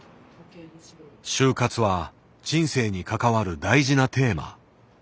「終活」は人生に関わる大事なテーマ。